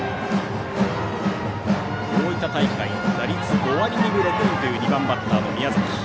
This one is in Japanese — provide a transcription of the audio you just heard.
大分大会打率５割２分６厘という２番バッターの宮崎。